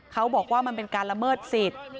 เขาบอกว่ามันเป็นการละเมิดสิทธิ์